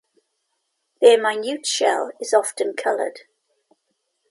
Their minute shell is often colored.